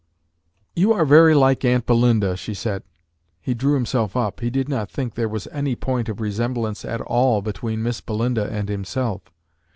"You are very like aunt Belinda," she said. He drew himself up. He did not think there was any point of resemblance at all between Miss Belinda and himself.